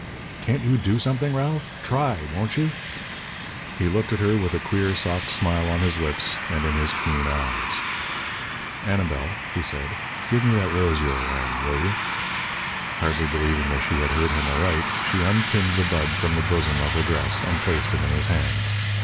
"Can't you do something, Ralph try, won't you?" He looked at her with a queer, soft smile on his lips and in his keen eyes. "Annabel," he said, "give me that rose you are wearing, will you?" Hardly believing that she heard him aright, she unpinned the bud from the bosom of her dress, and placed it in his hand.